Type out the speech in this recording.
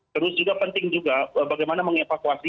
terus juga penting juga bagaimana mengevakuasi